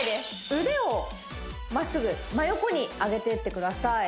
腕をまっすぐ真横に上げてってください